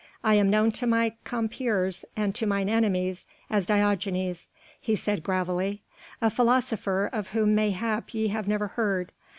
I am known to my compeers and to mine enemies as Diogenes," he said gravely, "a philosopher of whom mayhap ye have never heard.